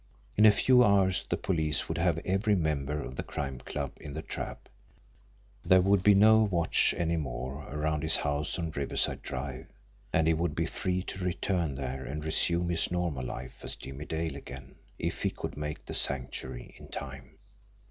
In a few hours the police would have every member of the Crime Club in the trap; there would be no watch any more around his house on Riverside Drive; and he would be free to return there and resume his normal life as Jimmie Dale again if he could make the Sanctuary in time!